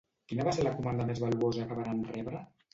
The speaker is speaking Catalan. Quina va ser la comanda més valuosa que varen rebre?